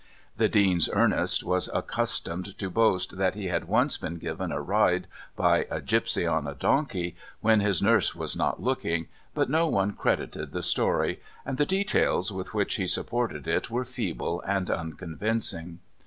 The Dean's Ernest was accustomed to boast that he had once been given a ride by a gipsy on a donkey, when his nurse was not looking, but no one credited the story, and the details with which he supported it were feeble and unconvincing.